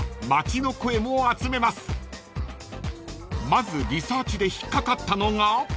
［まずリサーチで引っ掛かったのが］